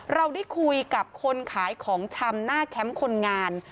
เราได้คุยกับคนขายของชำหน้าแคมป์คนงาน